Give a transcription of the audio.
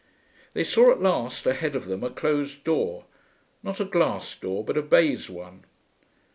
They saw at last ahead of them a closed door not a glass door but a baize one.